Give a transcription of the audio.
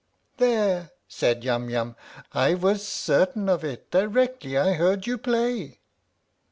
" There !" said Yum Yum, " I was certain of it directly I heard you play."